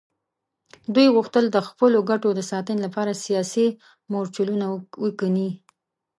دوی غوښتل د خپلو ګټو د ساتنې لپاره سیاسي مورچلونه وکیني.